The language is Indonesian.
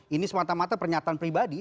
ini semata mata pernyataan pribadi